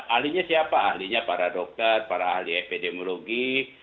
ahlinya siapa ahlinya para dokter para ahli epidemiologi